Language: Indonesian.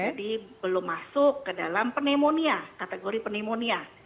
jadi belum masuk ke dalam penemonia kategori penemonia